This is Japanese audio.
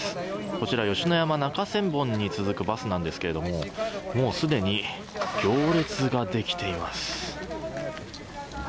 こちら吉野山中千本に続くバスなんですがもうすでに行列ができています。